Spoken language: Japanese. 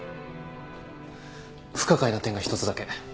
不可解な点が１つだけ。